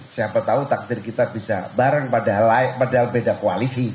siapa tahu takdir kita bisa bareng padahal beda koalisi